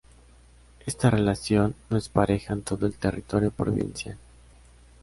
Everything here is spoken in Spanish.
Esta relación no es pareja en todo el territorio provincial.